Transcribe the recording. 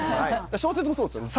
小説もそうですよね。